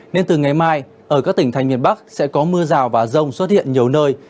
nên từ ngày mai ở các tỉnh thành miền bắc sẽ có mưa rào và rông xuất hiện nhiều nơi